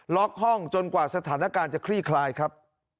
ล็อกห้องจนกว่าสถานการณ์จะคลี่คลายครับ